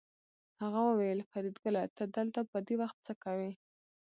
هغه وویل فریدګله ته دلته په دې وخت څه کوې